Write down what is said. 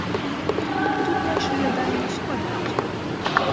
Тут нашы жаданні супадаюць.